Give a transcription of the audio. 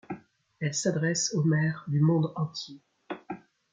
Elle s'adresse aux maires du monde entier.